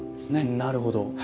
なるほど。